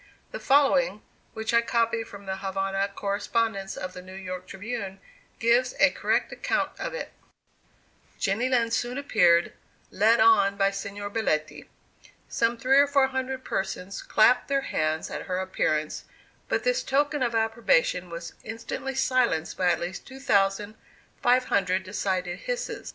The following, which I copy from the Havana correspondence of the New York Tribune, gives a correct account of it: "Jenny Lind soon appeared, led on by Signor Belletti. Some three or four hundred persons clapped their hands at her appearance, but this token of approbation was instantly silenced by at least two thousand five hundred decided hisses.